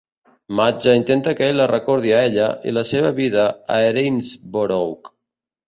Madge intenta que ell la recordi a ella i la seva vida a Erinsborough.